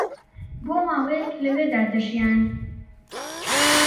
بۆ ماوەیەک لەوێدا دەژیان